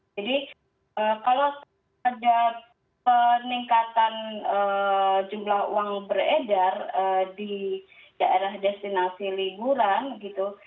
jadi kalau ada peningkatan jumlah uang beredar di daerah destinasi liburan gitu